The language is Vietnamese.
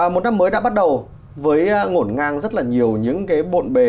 một năm mới đã bắt đầu với ngổn ngang rất là nhiều những cái bộn bề